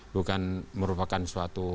bukan merupakan suatu